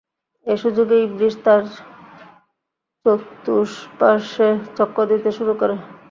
এ সুযোগে ইবলীস তাঁর চতুম্পার্শ্বে চক্কর দিতে শুরু করে।